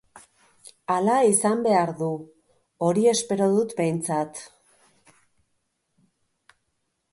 Hala izan behar du, hori espero dut behintzat.